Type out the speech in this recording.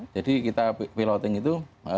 jadi kita piloting itu